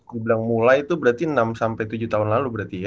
dibilang mulai itu berarti enam sampai tujuh tahun lalu berarti ya